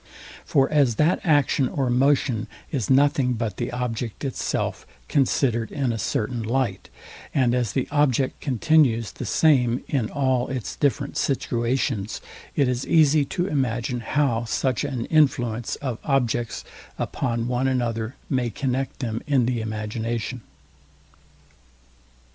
For as that action or motion is nothing but the object itself, considered in a certain light, and as the object continues the same in all its different situations, it is easy to imagine how such an influence of objects upon one another may connect them in the imagination.